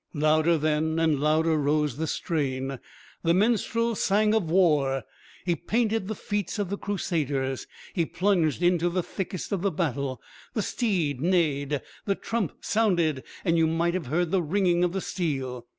Louder then and louder rose the strain. The minstrel sang of war; he painted the feats of the Crusaders; he plunged into the thickest of the battle; the steed neighed; the trump sounded; and you might have heard the ringing of the steel.